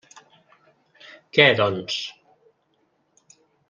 Què, doncs?